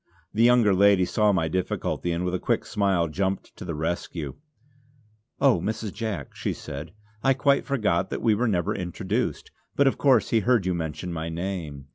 The younger lady saw my difficulty, and with a quick smile jumped to the rescue. "Oh Mrs. Jack" she said "I quite forgot that we were never introduced; but of course he heard you mention my name.